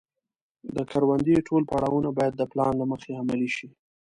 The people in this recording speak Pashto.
د کروندې ټول پړاوونه باید د پلان له مخې عملي شي.